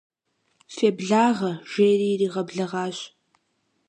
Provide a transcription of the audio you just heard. Феблагъэ, жери иригъэблэгъащ.